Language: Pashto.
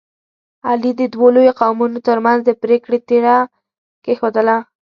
علي د دوو لویو قومونو ترمنځ د پرېکړې تیږه کېښودله.